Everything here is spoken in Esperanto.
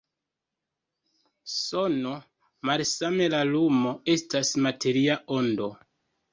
Sono, malsame la lumo, estas materia ondo.